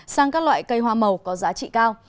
sang các loại cây hoa màu có giá trị cao